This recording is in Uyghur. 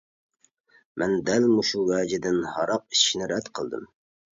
مەن دەل مۇشۇ ۋەجىدىن ھاراق ئىچىشنى رەت قىلدىم.